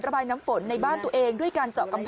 แล้วก็ให้น้ำจากบ้านเขาลงคลอมผ่านที่สุดท้าย